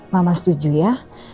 mama setuju ya